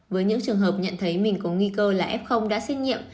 với những trường hợp nhận thấy mình có nghi cơ là f đã xét nghiệm